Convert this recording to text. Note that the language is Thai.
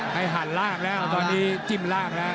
หันล่างแล้วตอนนี้จิ้มล่างแล้ว